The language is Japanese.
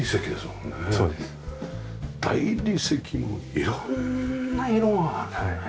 大理石も色んな色が。